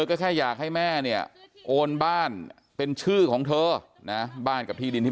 ก็แค่อยากให้แม่เนี่ยโอนบ้านเป็นชื่อของเธอนะบ้านกับที่ดินที่